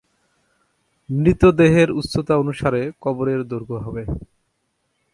মৃত দেহের উচ্চতা অনুসারে কবরের দৈর্ঘ্য হবে।